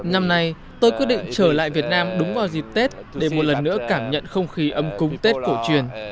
năm nay tôi quyết định trở lại việt nam đúng vào dịp tết để một lần nữa cảm nhận không khí âm cúng tết cổ truyền